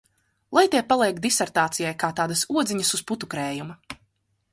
Lai tie paliek disertācijai kā tādas odziņas uz putukrējuma.